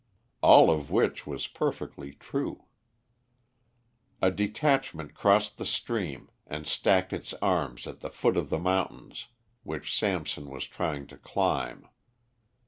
All of which was perfectly true. A detachment crossed the stream and stacked its arms at the foot of the mountain which Samson was trying to climb.